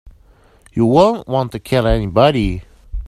You wouldn't want to kill anybody.